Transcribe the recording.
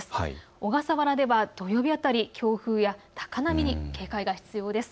小笠原では土曜日辺り強風や高波に警戒が必要です。